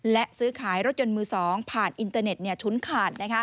และซื้อขายรถยนต์มือ๒ผ่านอินเตอร์เน็ตฉุนขาด